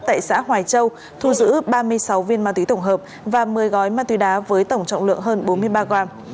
tại xã hoài châu thu giữ ba mươi sáu viên ma túy tổng hợp và một mươi gói ma túy đá với tổng trọng lượng hơn bốn mươi ba gram